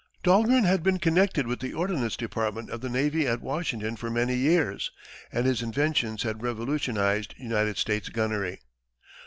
Dahlgren had been connected with the ordnance department of the navy at Washington for many years, and his inventions had revolutionized United States gunnery.